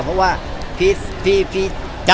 เพราะว่าพี่จ้างเขาแล้วงาน